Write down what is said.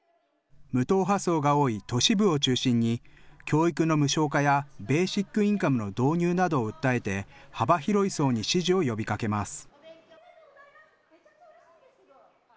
無党派層が多い都市部を中心に教育の無償化やベーシックインカムの導入などを訴えて幅広い層に支持を呼びかけます。